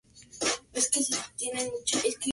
Es originaria de la isla de Príncipe.